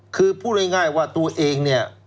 คือพูดง่ายว่าตัวเอง